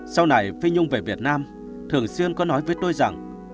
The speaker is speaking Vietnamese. sau này phi nhung về việt nam thường xuyên có nói với tôi rằng